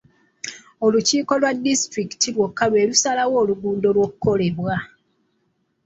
Olukiiko lwa disitulikiti lwokka lwe lusalawo oluguudo olw'okuzimbibwa